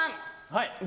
はい。